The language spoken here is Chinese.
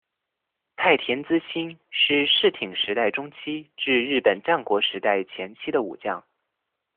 太田资清是室町时代中期至日本战国时代前期的武将。